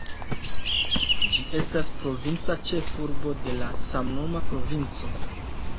Ĝi estas provinca ĉefurbo de la samnoma provinco.